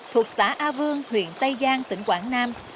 thuộc xã a vương huyện tây giang tỉnh quảng nam